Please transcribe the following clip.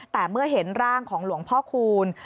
แต่เมื่อเห็นร่างของหลวงพ่อคูณ